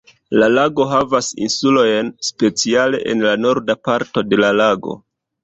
La lago havas insulojn speciale en norda parto de la lago.